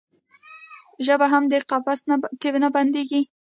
ژبه هم په قفس کې نه بندیږي.